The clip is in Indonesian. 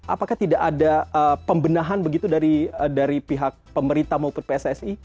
apakah tidak ada pembenahan begitu dari pihak pemerintah maupun pssi